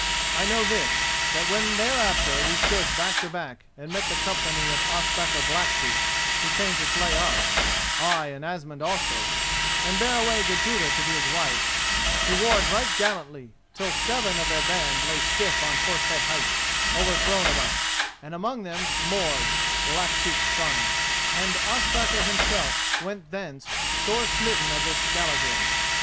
I know this, that when thereafter we stood back to back and met the company of Ospakar Blacktooth, who came to slay us—ay, and Asmund also, and bear away Gudruda to be his wife—he warred right gallantly, till seven of their band lay stiff on Horse Head Heights, overthrown of us, and among them Mord, Blacktooth's son; and Ospakar himself went thence sore smitten of this Skallagrim.